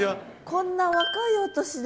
こんな若いお年で。